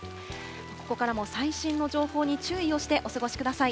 ここからも最新の情報に注意をしてお過ごしください。